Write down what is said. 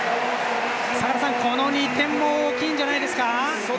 坂田さん、この２点も大きいんじゃないですか。